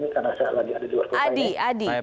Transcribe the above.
ini karena saya lagi ada di luar kursi ini